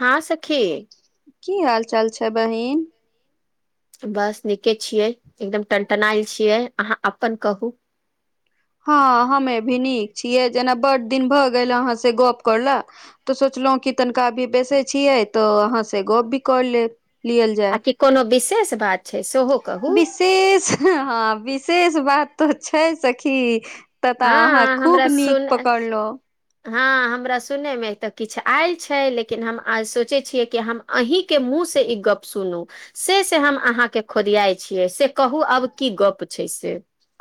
हँ सखी की हाल चाल छै बहिन बस नीके छियै एकदम टनटनायल छियै अहाँ अपन कहू हँ हमे भी नीक छियै जेना बड दिन भए गेल अहाँ से गप करला तऽ सोचलहु कि तनिका अभी बेसे छियै तऽ अहाँ से गप भी कर ले लियल आ जाय कि कोनो विशेष बात छै सेहो कहू विशेष हँ विशेष बात तऽ छै सखी हँ तताऽ अहाँ खूब हमरा नीक सुन पकड़लहु हँ हमरा सुनयमे तऽ किछु आयल छै लेकिन हम आ सोचैत छियै कि हम अहीं के मुँह से ई गप सुनू से से हम अहाँके खोदियाइ छियै से कहू आब की गप्प छै से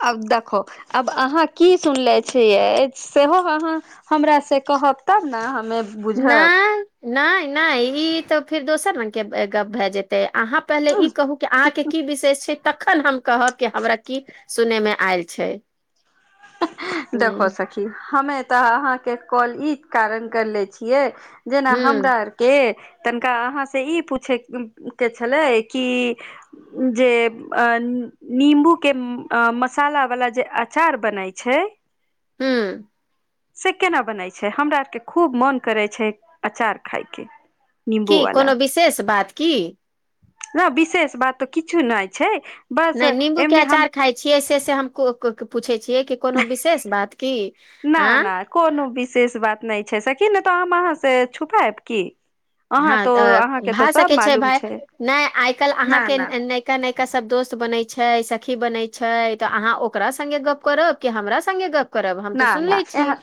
आब देखो आब अहाँ की सुनले छियै सेहो अहाँ हमरा से कहब तब न हमे ना बुझब नय नय ई तऽ फिर दोसर रंग के गप भए जेते तऽ अहाँ पहिले ई कहू कि अहाँके की विशेष छै तखन हम कहब कि हमरा की सुनै मे आयल छै देखहो ह सखी खी हमे तऽ अहाँके कॉल ई कारण करले छियै जेना ह हमरा आर के तनिका अहाँ से ई पूछे के छलै कि जे नींबू के मसाला वाला जे अचार बनाइ छै हू से केना बनैत छै हमरा आरके खूब मन करैत छै अचार खाायके की कोनो विशेष बात की नहि विशेष बात तऽ किछु नहि छै बस नहि नमबू के एमनी हम अचार खााय छियै से से हम पूछै छियै कि कोनो विशेष बात की नहि आँ नहिा कोनो विशेष बात नहि छै सकी ने तऽ हम अहाँ से छुपायब की अहाँ हँ तो तऽ अहाँके तो भए सब सकै छै मालूम भाय नहि आइ काइल ना अहाँके ना नहि क नका सब दोस्त बनैत छै सखी बनैत छै तऽ अहाँ ओकरा सङ्गे गप्प करब कि हमरा सङ्गे गप्प करब हम त ना ना सुनले छी एहन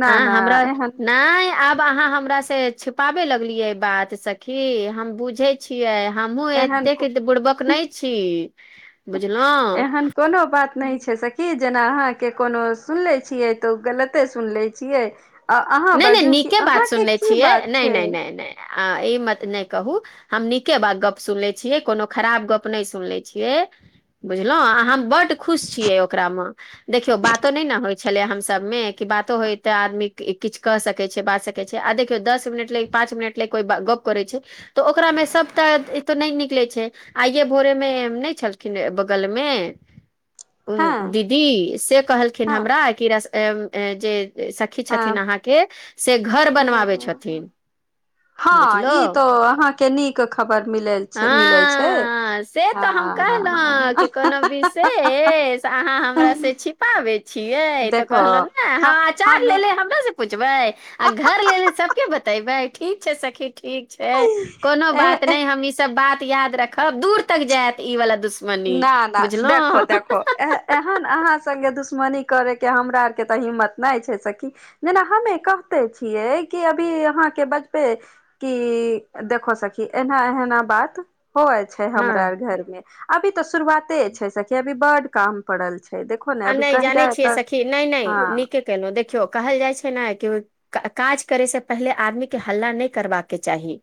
ना ना एहन नाइ आब आहा हमरा रा से छिपाबे लगलियै बात सखी हम बुझै छिय हमहुँ एहन एतेक बुड़बक नहि छी बुझलहुँ एहन कोनो बात नहि छै की जेना अहाँके कोनो सुनि लै छियै तऽ ओ गलते सुनि लैत छियै आ अहाँ नहि नहि बाजू कि नीके बात अहाँके सुनले की छियै बात नहि छै नहि नहि नहि ई मत नहि कहू हम नीके बात गप्प सुनले छियै कोनो खराब गप नहि सुनले छियै बुझलहुँ अहाँ बड्ड खुश छियै ओकरा म देखियौ बातो नहि ने होइत छलै हमसभमे कि बातो होइत तऽ आदमी किछु क सकैत छै बाज सकैत छै आ देखियौ दस मिनट लग पाच मिनट लग कोई गप करैत छै तऽ ओकरामे सभटा त नहि निकलैत छै आइे भोरे मे नहि छलखिन बगलमे उ हँ दीदी से कहलखिन हँ हमरा कि र जे सखी छथिन हँ अहाँके से घर हँ बनबाबै हँ छथिन हँ बुझलो ई तो अहाके नीक खबर मिलल छै मिलै छै हँ से तऽ हम कहलहु हँ की कोनो विशेष त आहाँ हमरा सँ छिपाबय छियै त देखो कहलो ने हम आचार हमे लेले हम पूछबै आ घर ले सबके बतेबै ठीक छै सखी ठीक छै कोनो बात ए नहि हम ई सब बात याद रखब दूर तक जायत ई वालला दुश् मनी ना ना बुझलौ देखो देखो एह- एहन अहाँ संगे दुश्मनी करैके हमरा आरके तऽ हिम्मत नहि छै सखी जेना हमे कहते छियै कि अभी अहाँके बचबे क देखो सखी एना एहना बात होव हँ हमरा घर मे अभी तऽ शुरुआते छै अभी बड काम पड़ल छै देख आ नहि जानै छियै सखी नहि नहि हँ नीके केलहुँ देखियौ कहल जाइ छै ने के ओ काज करे से पहिले आदमी के हल्ला नहि करबाके चाही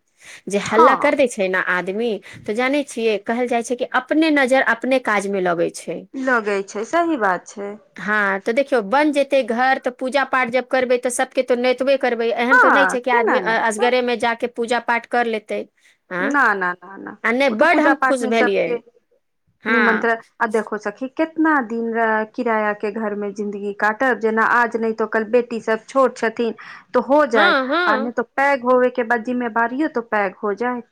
जे हल्ला कर हँ दै छै छै ने आदमी तऽ जाने छिये कहल जाय छै कि अपने नजर अपने काज में लगे छै लगै छै सही बात छै हँ तऽ देखियो बन जेते घर तऽ पूजा पाठ जब करबे तऽ सबके तो नोतबे करबै एहन हँ तऽ नहि छै कि आदमी केना नहि तऽ असगरेमे जााके पूजा पाठ कर लेतै हँ न न न न आ नहि ओ तऽ बड्ड पूजा हम खुश पाठमे भेलियै सबके हँ निमन्त्रण आ देखो सखी कितना दिन र किराया के घर मे जिंन्दगी काटब जेना आज नहि तो कल बेटी सब छोट छथिन तो हो हँ जायत हँ आर नहि तो पैग होवे के बदी मे बारियौ तो पैग हो जाय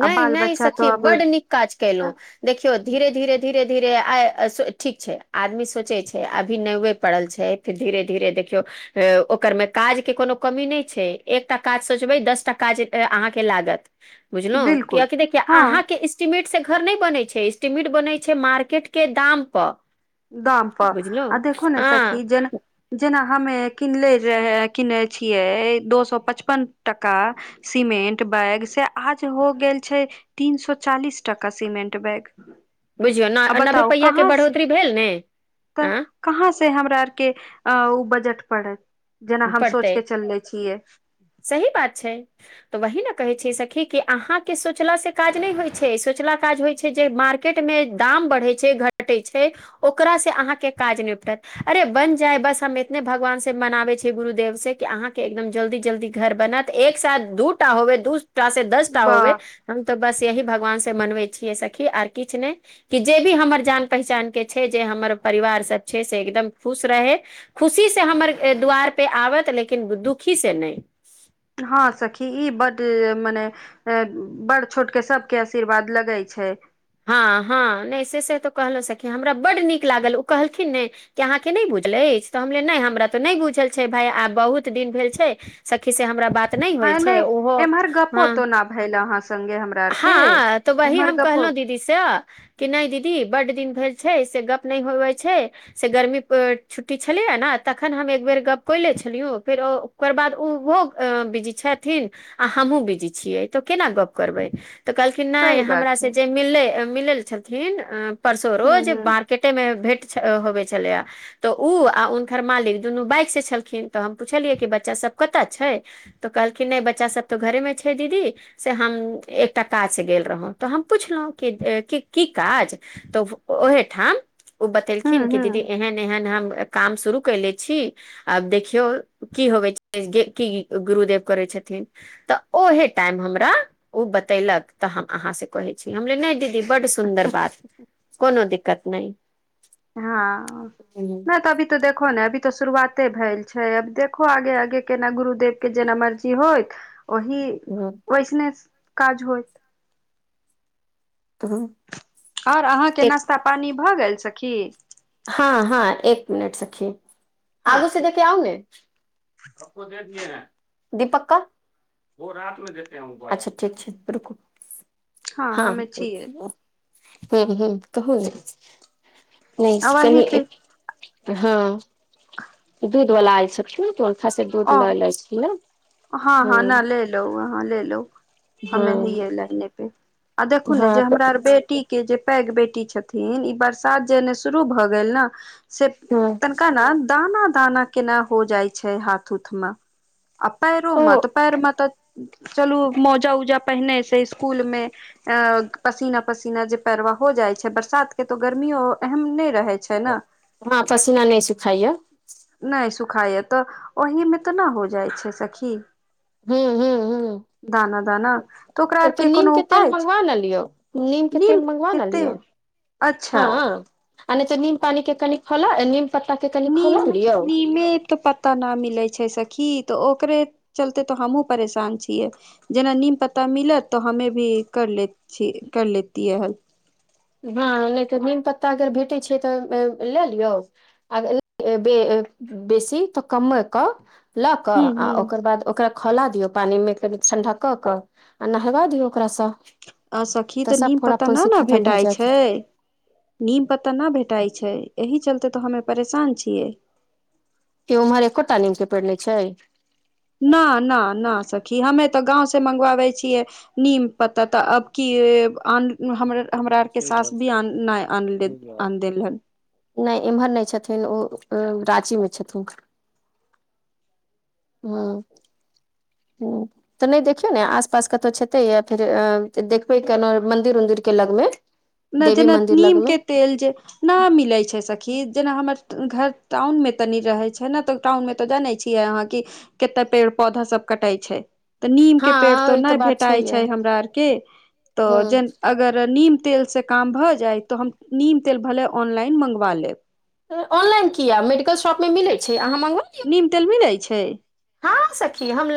नहि नहि सखी बड्ड नीक काज कयलहुँ देखियौ धीरे धीरे धीरे धीरे आ ठीक छै आदमी सोचे छै अभी नेबे पड़ल छै फीर धीरे धीरे देखियौ अ ओकर मे काज के कोनो कमी नहि छै एकटा काज सोचबै दस टा काज अहाँके लागत बुझलहु बिलकुल कक देखिय हँ अहाँके इस इस्टीमेट से घर नहि बनै छै इस्टमेट बनै छै मार्केट के दाम पर गांम पर बुझलहुँ देखु ने हँ सखी जेना हमे किनले रहे किनने छियै दो सए पचपन टाका सिमेंट बैग से आज हो गेल छै तीन सो चालीस टाका सीमेंट बैग बुझियौ आ न नबै बताउ रुपैआ के कहाँ से बढ़ोतरी भेल ने तऽ आ कहाँ से हमरा आरके अ ओ बजट पड़त जेना हम सोच पड़तै के चलले छियै सही बात छै तऽ वहि ने कहै छै सखी कि अहाँ के सोचला से काज नहि होई छै सोचला काज होई छै जे मार मार्केट मे दाम बढ़े छै घटे छै ओकरा से अहाँ के काज निपटत अरे बन जाय बस हम एतने भगवान से मनाबे छीए गुरुदेव से कि अहाँ के एकदम जल्दी जल्दी घर बनत एक साथ दू टा होबै दू एक्टा से दस टा होबे वाह हम तऽ बस यही भगवान से मनबै छियै सखी आर किछु नहि कि जे भी हमर जान पहचान के छै जे हमर परिवार सब छै से एकदम खुश रहै खुशीसँ हमर द्वारपे आबत लेकिन दुखी सँ नहि हँ सखी ई बड मने से बड़ छोट के सब के आशीर्वाद लगै छै हाँ हाँ नहि से से तो कहलो सखी हमरा बड्ड नीक लागल ओ कहलखिन नै कि अहाँके नहि बुझल अछि तऽ हमले नहि हमरा तऽ नहि बुझल छै भाय आब बहुत दिन भेल छै सखी से हमरा बात नहि हो ह ने छै ओहो एम्हर गपो ह तो न भेल अहाँ संगे हमरा आर के हँ तऽ वही एम्हर हम गपो कहलहुँ दीदी दी से कि नहि दीदी बड दिन भेल छै से गप्प नहि होवै छै से गर्मी छुट्टी छलैए ने तखन हम एक बेर गप्प कैले छलिय फेर ओ ओकर बाद ओहो बिजी छथिन आ हमह हुँ बिजी छियै तऽ केना गप्प करबै तऽ कहलखिन नहि सही हमरा बात छै से जे मिलले मिलल छलन अ परसोरो हूँ जे हूँ बार कटे मे भेंट होबे छलैय तऽ ओ आ हुनकर मालिक दुनू बाइक सँ छलखिन तऽ हम पुछलियै कि बच्चा सभ कतय छै तऽ कहलखिन नहि बच्चा सब तऽ घरे में छै दीदी से हम एक्टा काज से गेल रहौ तऽ हम पुछलहुँ के की की काज तऽ ओहेठाम ओ बतेलखिन हूँ कि दीदी हूँ ऐहन ऐहन हम काम शुरू कयले छी आब देखियौ की होबै छै की गुरुदेव करै छथिन तऽ ओहे टाइम हमरा ओ बतेलक तऽ हम अहाँ से कहै छी हमले नहि दीदी बड्ड सुन्दर बात कोनो दिक्कत नहि हाँ नहि तऽ अभी तऽ देखो ने अभी तऽ शुरुआते भेल छै अब देखो आगे आगे केना गुरुदेव के जेना मर्जी होइत ओहि हँ [unintelligible] ओइस ने काज होई [unintelligible] आओर अहाँके एक नश्ता पानी भऽ गेल सखी हँ हँ एक मिनट सखी हँ आगू से ठीक देखे आउ ने [unintelligible] दिपक के [unintelligible] अच्छा ठीक छै रुकु हँ हमे छियै ह ह कहू ने नहि आ वही फिर चल हँ दूध वला आल सकत त खास दूध ओ लय ल छी ने हँ हँ न ले लो वहाँ ले लो हमे ही हँ ह लड़ने पे आ देखू ने हँ जे तऽ हमरार बेटी के जे पैघ बेटी छथिन ई बरसात जेने शुरू भऽ गेल ने से हँ तनिका ने दाना दाना केना हो जाई छै हाथ उथ में पैरो में ओ तऽ पैर में तऽ चलू मौजा उजा पहिने से स्सकूल मे अ पसीना पसीना जे पैवा हो जाइ छै बरसात के तो गर्मीो एहम नहि रहे छै ने हँ पसीना नहि सुखाइय नहि सुखाए तऽ ओहीमे तऽ नहि हो जाइ छै सखी हूं हूं हूं दाना दाना तऽ ओकरा आर के नीम कोनो तेल उपाय छै मंगवा ने लियौ के तेल नीम मंगवा के ने तेल लियौ अच्छा हँ आ तऽ नीम पानी के कनी खोउला नीम पत्ता के कनि निम खौला लियौ निमित तऽ पता नऽ मिले छै सखी तऽ ओकरे चलते तऽ हमहुँ परेशान छियै जेना नीम पत्ता मिलत तऽ हमे भी कर ले छी कर ले हाँ नहि तऽ नीम पत्ता अगर भेटैत छै तऽ लए लियौ आ बेसी तऽ कमे के लऽ क हूँ आ हूँ ओकर बाद ओकरा खौला दियऔ पानि मे क ठण्डा कऽ कऽ आ नहलबा दियौ ओकासँ आ सखी तऽ नीम पत्त नहि ने भए भेटाइ जायत छै नीम पत्ता नहि भेटाइ छै एहि चलते तऽ हमे परेशान छियै के उम्हर एक्के टा पेड़ नै छै ना ना ना सखी हमे तऽ गाँंव से मंगवाबै छियै नीम प्त ता अब की हमरा हमरा आर के साउस विआ नहिने आन देल हन नै एम्हर नहि छथिन ओ राची में छथिन [inaudible] हुँ तऽ नहि देखियौ ने आस पास कतहु छैेतै या फेर अ देखबै केना मंन्दिर उदिर के लगमे ने देवी जेना मंदिर नीम लगमे के तेल जे नहि मिलैत छै सखीज जेना हमर घर टाउनमे तनि रहैत छै ने तऽ टाउन मे तऽ जानै छियै अहाँ क कते पेड़ पौधा सब कटे छै तऽ नीम के पेड़ तो हँ ई तऽ नहि बात भेटाइ छैहे छै हमरा आर के तऽ हूँ जे अगर नीम तेल सँ काम भऽ जाइ तऽ हम नीम तेल भले ऑनलाइन मँगवा लेब ऑनलाइन कीया मेडिकल शॉप में मिलैत छै अहाँ माँंगवा नीम तेल मिलै छै हँ सखी हम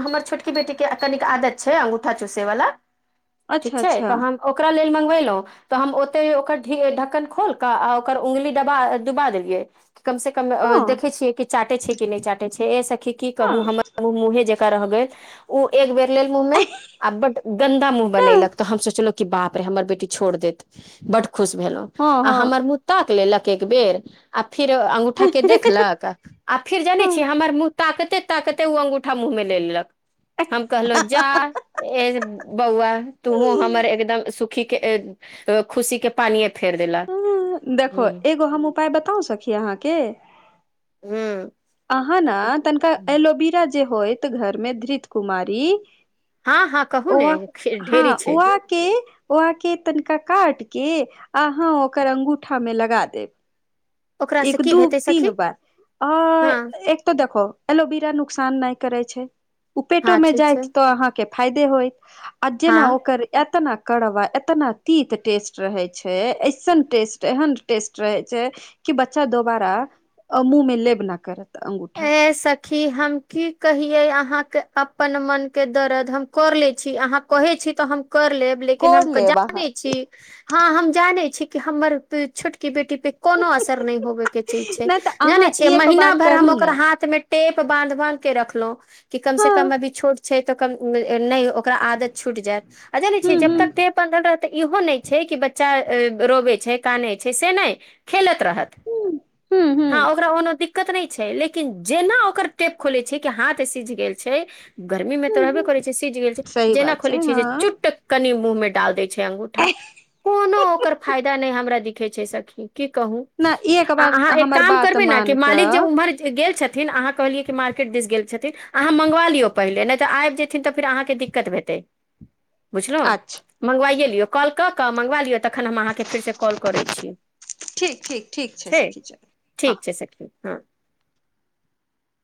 हमर छोटकी बेटीके कनिक आदत छै अंगूठा चूसयवला ठीक अच्छा छै अच्छा तऽ हम ओकरा लेल मँंगबे लहुँ तऽ हम ओते ओकर ढक्कन खोल कऽ आ ओकर उंगली डबा डुबा देलियै कम से कम हँ देखै छियै कि चाटे छै कि नहि चाटे छै ए सखी की कहू हँ हमर मुँहे जे रह गेल ओ एक बेर लेल मुँह मे आ बड गन्दा मुँह बनलक तऽ हम सोचलहु कि बाप रे हमर बेटी छोड़ देत बड्ड खुश भेलहुँ आ हँ हमर मुंह ताक लेलक एक बेर आ फेर अंगूठा के देखलक आ फिर जानै छियै हँ हमर मुंह ताकते ताकते ओ अंगूठा मुँह में ले लेलक हम कहलो जा ए बौआ तुहूँ हमर एकदम सुखी के खुशी के पानिए फेर देला ह पााय बताउ सकी अहाँके हू अहाँ ने तनिका एलोविरा जे होत घर मे धृत कुमारी हँ हँ कहू ने ढेरी छै कि के तनिका काट के अहाँ ओकर अंगूठा में लगा देब ओकरासँ एक की दू हेतै सखी तीन बार अऽ हँ एक तऽ देख एलोविरा नुकसान नहि करै छै उ पेटो हँ मे ठीक छै जायइत तऽ अहाँके फायदे होय आ जेना हँ ओकर एतना कड़वा एतना तीत टेस्ट रहे छै एऐइसन टेस्ट एहन टेस्ट रहे छै कि बच्चा दोबारा मुँह में लेब न करत अंगूठा एहि सक क हम की कहि अहाँके अपन मन के दर्द हम कर ले छी अहाँ कहै छी तऽ हम कर लेब लेकिन हम कोर लेब अहाँ जानै छी हाँ हम जाने छी कि हमर छोटकी बेटी पे कोनो असर नहि होबे के च छै नहि तऽ अहाँ जानै छियै ई एक महिना बार भर हम करू ने ओकरा हाथ मे टेप बानं बानध के रखलों क कम से हँ कम अभी छोट छै त ने ओ ओक आदत छूट जाय ज हूँ जब हूँ तक टेप बल रह त इहो नहि छै कि बच्चा रोबै छै काने छै से नहि खेलैत रहत हूँ हूँ हाँ हूँ ओकरा कोनो दिक्कत नहि छै लेकिन लेकिन जेना ओकर टेप खोले छै कि हाथ सिझ गेल छै गर्मी मे तऽ हूँ रहबे हूँ करे छै सीझ गेल छै सही जेना बात छै खोले छिय जे हँ चुट कनि मुंह में डाल देय छै अंगूठा कोनो ओकर फायदा नहि हमरा दिखे छै सखी की कहू नहि एक आ बार अहाँ एक हमर काम बात करबै ने कि मान मालिक जे कऽ उम्हर गेल छथिन अहाँ कहलियएै कि मार्केट दिस गेल छथिन अहाँ मंगव लिय पले नहि तऽ आब जेथिन तऽ फिर अहाँ के दिककत दिक्कत हेतै बुझलो अच्छा मगबाए लिए काॅल कऽ मगबाए लीए तखन अहाँ के हम फेर से काॅल करें छी ठीक ठीक छै ठीक सखी चलू हँ ठीक छै सकी हँ